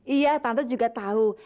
iya tante juga tau